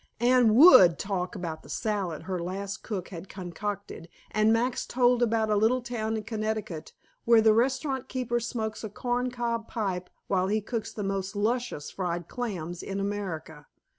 Anne WOULD talk about the salad her last cook had concocted, and Max told about a little town in Connecticut where the restaurant keeper smokes a corn cob pipe while he cooks the most luscious fried clams in America.